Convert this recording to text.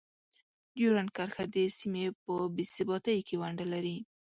ډیورنډ کرښه د سیمې په بې ثباتۍ کې ونډه لري.